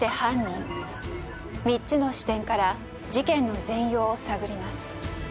３つの視点から事件の全容を探ります。